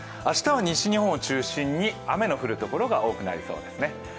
明日は西日本を中心に、雨が降るところが多くなりそうですね。